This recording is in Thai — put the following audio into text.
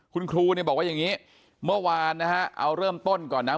คุณครูเนี่ยบอกว่าอย่างนี้เมื่อวานนะฮะเอาเริ่มต้นก่อนนะ